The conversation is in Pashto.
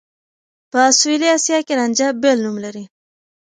په سوېلي اسيا کې رانجه بېل نوم لري.